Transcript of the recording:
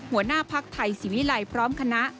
หัวหน้าภักดิ์ไทยศิวิลัยพร้อมคณะ